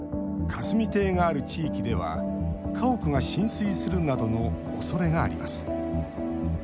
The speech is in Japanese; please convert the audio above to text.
霞堤がある地域では家屋が浸水するなどのおそれがあります。